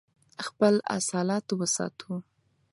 خپل اصالت وساتو.